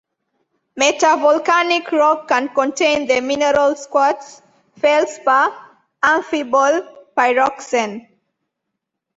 Metavolcanic rock can contain the minerals quartz, feldspar, amphibole, pyroxene.